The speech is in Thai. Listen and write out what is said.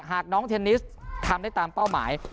หากน้องเทนนิสทำได้ตามเป้าหมาย